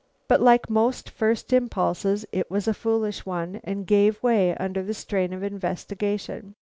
But like most first impulses, it was a foolish one and gave way under the strain of investigation.